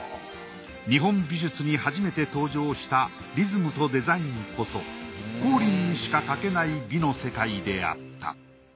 日本美術に初めて登場したリズムとデザインこそ光琳にしか描けない美の世界であった。